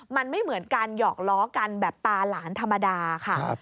มันไม่เหมือนการหยอกล้อกันแบบตาหลานธรรมดาค่ะ